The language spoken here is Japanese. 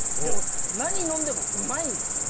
何飲んでもうまいんですよ！